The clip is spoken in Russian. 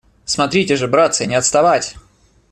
- Смотрите же, братцы, не отставать!